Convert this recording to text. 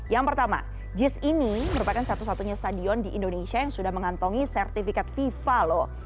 yang pertama jis ini merupakan satu satunya stadion di indonesia yang sudah mengantongi sertifikat fifa loh